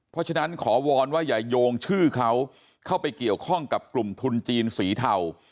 เพราะฉะนั้นขอวอนว่าอย่าโยงชื่อเขาเข้าไปเกี่ยวข้องกับกลุ่มทุนจีนสีเทา